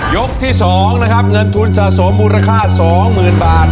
ยกที่สองนะครับเงินทุนสะสมมูลค่าสองหมื่นบาท